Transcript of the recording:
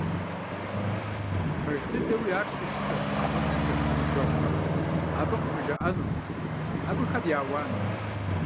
Пэж дыдэуи, ар щышынэрт, фӀэлӀыкӀырт и ныбжьэгъухэм, абы къыхужаӀэнум, абыхэм я ауаным.